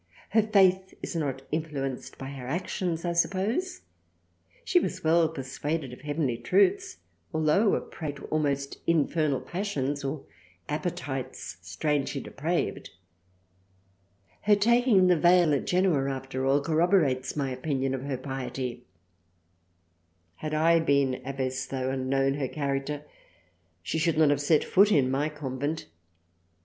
Her Faith is not influenced by her Actions I suppose : she was well persuaded of Heavenly Truths altho' a Prey to almost infernal passions or Appetites strangely depraved. Her taking the veil at Genoa after all corroborates my opinion of her Piety. Had I been Abbess tho' & known her Character she should not have set her foot in my Convent.